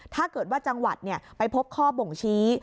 ถ้าเกิดว่าจังหวัดไปพบข้อบ่งชี้